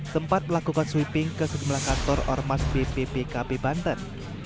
sempat melakukan sweeping ke sejumlah kantor ormas bppkp banten